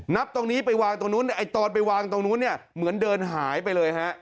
ตรงนี้ไปวางตรงนู้นไอ้ตอนไปวางตรงนู้นเนี่ยเหมือนเดินหายไปเลยฮะ